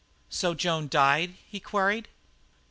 "So Joan died?" he queried.